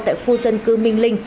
tại khu dân cư minh linh